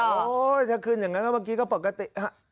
โอ้ถ้าขึ้นก็ปกติ